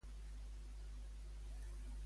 Què ha afirmat Manuel Miñés?